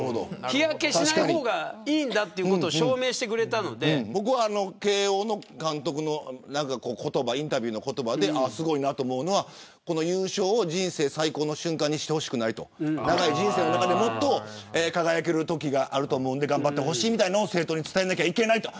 日焼けしない方がいいんだということを慶応の監督のインタビューの言葉ですごいなと思うのはこの優勝を人生最高の瞬間にしてほしくない長い人生の中でもっと輝けるときがあると思うので頑張ってほしいと生徒に伝えなきゃいけないと。